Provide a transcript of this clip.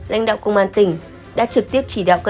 lãnh đạo công an tỉnh đã trực tiếp chỉ đạo các